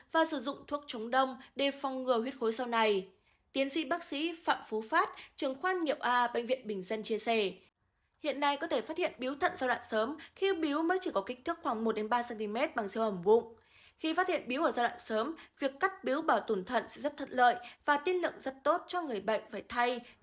và sử dụng thuốc chống đông để phong ngừa huyết khối sau này